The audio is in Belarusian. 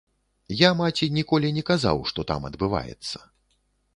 Я маці ніколі не казаў, што там адбываецца.